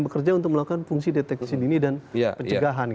kerja untuk melakukan fungsi deteksi bin ini dan pencegahan